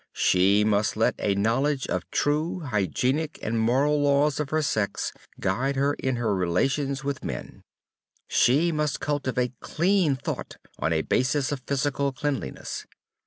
She must let a knowledge of the true hygienic and moral laws of her sex guide her in her relations with men. She must cultivate clean thought on a basis of physical cleanliness.